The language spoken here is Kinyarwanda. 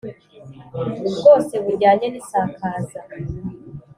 Bwose bujyanye n ‘isakaza.